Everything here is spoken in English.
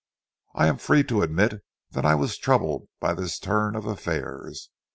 I am free to admit that I was troubled by this turn of affairs.